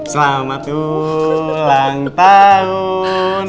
selamat ulang tahun